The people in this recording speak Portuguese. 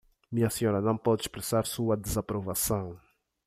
Minha senhora não pôde expressar sua desaprovação.